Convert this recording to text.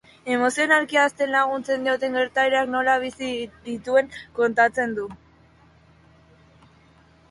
Emozionalki hazten laguntzen dioten gertaerak nola bizi dituen kontatzen du.